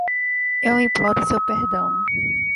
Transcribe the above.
Eu imploro seu perdão.